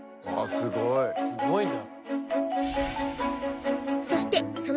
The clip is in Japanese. すごいな。